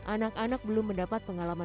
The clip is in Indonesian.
anak anak belum mendapat pengalaman yang baik